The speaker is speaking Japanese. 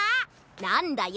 なんだよ！